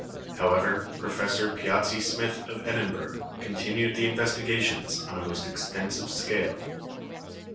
However, Professor Piazzi Smyth of Edinburgh continued the investi gations on a most extensive scale.